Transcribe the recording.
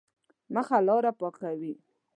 مخه لاره پاکوي.